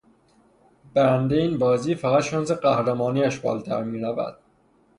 برنده این بازی فقط شانس قهرمانی اش بالاتر می رود.